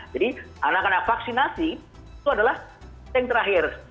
jadi anak anak vaksinasi itu adalah yang terakhir